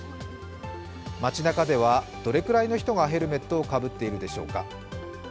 街なかでは、どれくらいの人がヘルメットをかぶっているでしょうか。